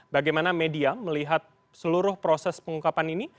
bagaimana media melihat seluruh proses pengungkapan ini